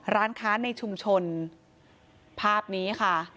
ร้านค้าในชุมชนภาพนี้ค่ะ